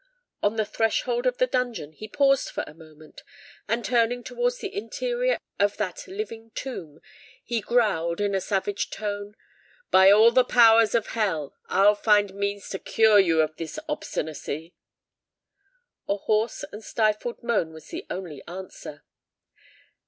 On the threshold of the dungeon he paused for a moment; and turning towards the interior of that living tomb, he growled in a savage tone, "By all the powers of hell! I'll find means to cure you of this obstinacy." A hoarse and stifled moan was the only answer.